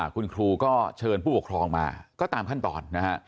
คุณครูก็เชิญผู้ปกครองมาก็ตามขั้นตอนนะฮะ